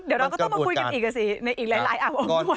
เดี๋ยวเราก็ต้องมาคุยกันอีกสิในอีกหลายอาวุธ